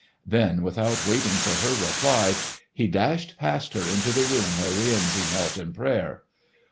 Then without waiting for her reply, he dashed past her into the room where Rienzi knelt in prayer.